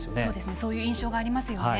そういう印象がありますよね。